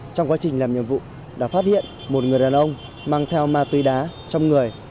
trong quá trình làm nhiệm vụ đã phát hiện một người đàn ông mang theo ma túy đá trong người